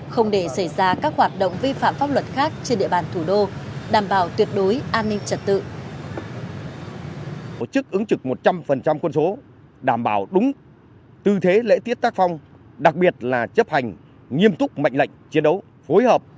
không để xảy ra các hoạt động vi phạm pháp luật khác trên địa bàn thủ đô